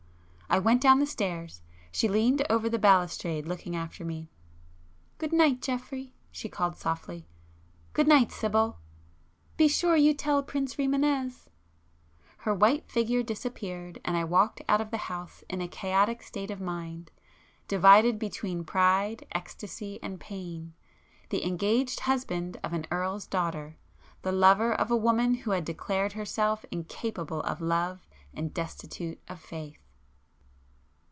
I went down the stairs,—she leaned over the balustrade looking after me. "Good night Geoffrey!" she called softly. "Good night Sibyl!" "Be sure you tell Prince Rimânez!" Her white figure disappeared; and I walked out of the house in a chaotic state of mind, divided between pride, ecstasy and pain,—the engaged husband of an earl's daughter,—the lover of a woman who had declared herself incapable of love and destitute of faith.